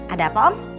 ada apa om